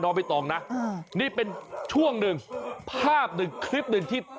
เราไปต่อนะฮะนี่เป็นช่วงหนึ่งภาพนึงคลิปนึงที่